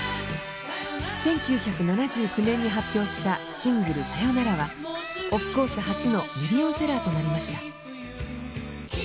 １９７９年に発表したシングル「さよなら」はオフコース初のミリオンセラーとなりました。